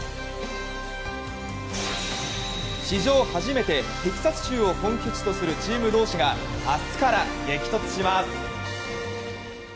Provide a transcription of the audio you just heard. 史上初めて、テキサス州を本拠地とするチーム同士が明日から激突します。